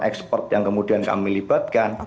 expert yang kemudian kami libatkan